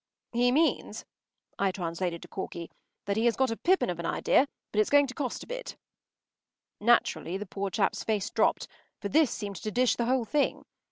” “He means,” I translated to Corky, “that he has got a pippin of an idea, but it’s going to cost a bit.” Naturally the poor chap’s face dropped, for this seemed to dish the whole thing.